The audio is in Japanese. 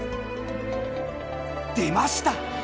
出ました！